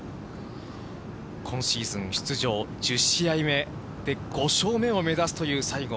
今シーズン出場１０試合目、５勝目を目指すという西郷。